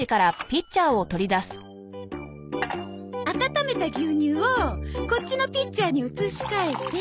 温めた牛乳をこっちのピッチャーに移し替えて。